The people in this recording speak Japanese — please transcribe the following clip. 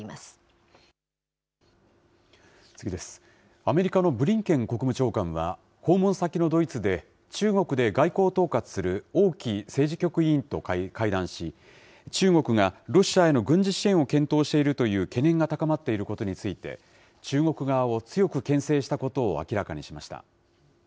アメリカのブリンケン国務長官は、訪問先のドイツで、中国で外交統括する王毅政治局委員と会談し、中国がロシアへの軍事支援を検討しているという懸念が高まっていることについて、中国側を強くけん制したことを明らかにしました。